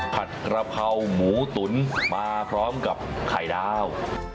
ผัดกระเพราหมูตุ๋นมาพร้อมกับไข่ดาว